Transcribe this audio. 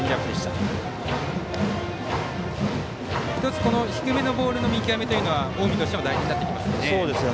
１つ、低めのボールの見極めというのが近江としても大事になってきますね。